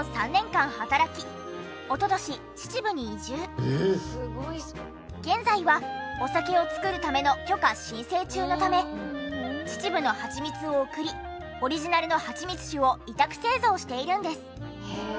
まずは現在はお酒を造るための許可申請中のため秩父の蜂蜜を送りオリジナルの蜂蜜酒を委託製造しているんです。